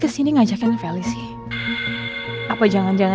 sudah ya comenti ain